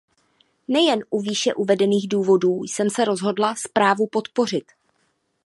Nejen z výše uvedených důvodů jsem se rozhodla zprávu podpořit.